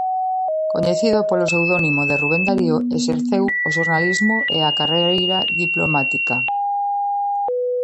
Coñecido polo pseudónimo Rubén Darío, exerceu o xornalismo e a carreira diplomática.